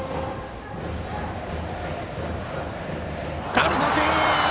空振り三振！